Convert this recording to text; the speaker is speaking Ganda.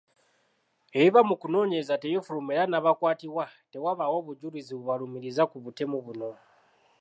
Ebiva mu kunoonyereza tebifuluma era n’abakwatibwa tewabaawo bujulizi bubalumiriza ku butemu buno .